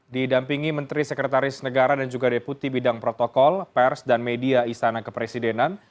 didampingi menteri sekretaris negara dan juga deputi bidang protokol pers dan media istana kepresidenan